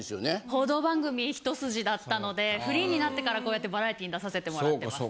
報道番組一筋だったのでフリーになってからこうやってバラエティーに出させてもらってます。